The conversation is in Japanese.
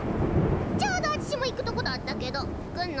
ちょうどあちしも行くとこだったけど来んの？